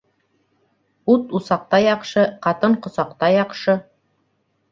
Ут усаҡта яҡшы, ҡатын ҡосаҡта яҡшы.